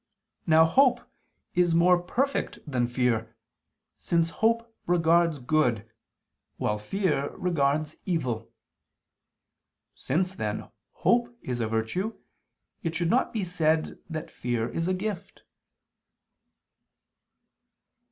Now hope is more perfect than fear, since hope regards good, while fear regards evil. Since, then, hope is a virtue, it should not be said that fear is a gift.